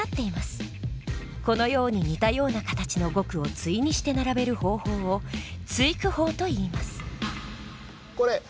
このように似たような形の語句を対にして並べる方法を対句法といいます。